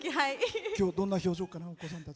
今日、どんな表情かなお子さんたち。